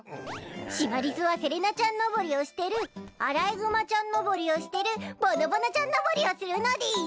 シマリスはセレナちゃん登りをしてるアライグマちゃん登りをしてるぼのぼのちゃん登りをするのでぃす。